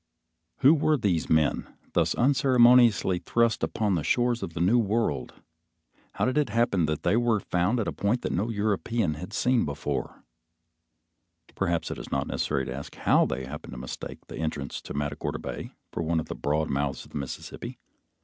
Who were these men, thus unceremoniously thrust upon the shores of the New World? How did it happen that they were found at a point that no European had before seen? Perhaps it is not necessary to ask how they happened to mistake the entrance to Matagorda Bay for one of the broad mouths of the Mississippi.